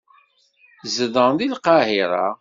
Zedɣen deg Lqahira.